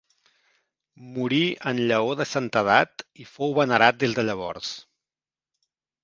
Morí en llaor de santedat i fou venerat des de llavors.